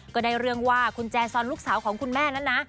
ก็ได้เรื่องว่าคุณแจซอนลูกสาวของคุณแม่นั้นนะ